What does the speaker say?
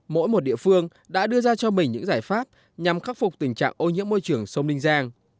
mỗi một địa phương đã đưa ra cho mình những giải pháp nhằm khắc phục tình trạng ô nhiễm môi trường sông ninh giang